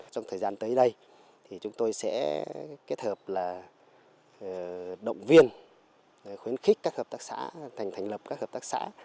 trong thời gian tới đây thì chúng tôi sẽ kết hợp là động viên khuyến khích các hợp tác xã thành thành lập các hợp tác xã